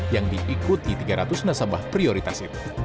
yang diikuti tiga ratus nasabah prioritas itu